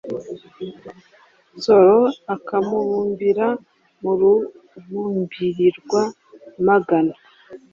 Nsoro akabumbira mu Rubumbirirwa-magana.